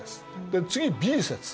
で次Ｂ説。